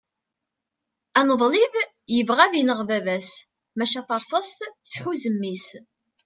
aneḍlib yebɣa ad ineɣ baba-s maca tarsast tḥuz mmi-s